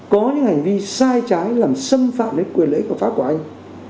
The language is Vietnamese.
có những hành vi sai trái làm xâm phạm đến quyền lễ của pháp của anh